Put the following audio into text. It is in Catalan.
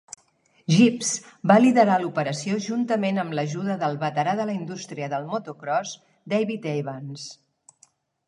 Gibbs va liderar l'operació juntament amb l'ajuda del veterà de la indústria del motocròs David Evans.